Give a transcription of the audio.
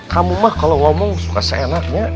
kamu mah kalau ngomong suka seenaknya